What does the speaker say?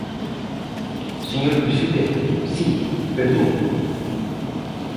Señor presidente, si, perdoo.